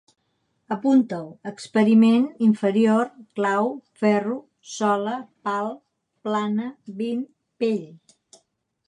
Apuntau: experiment, inferior, clau, ferro, sola, pal, plana, vint, pell